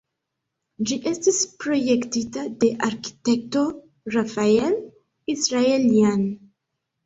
Ĝi estis projektita de arkitekto Rafael Israeljan.